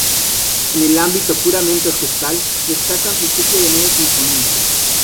En el ámbito puramente orquestal destacan su ciclo de nueve sinfonías.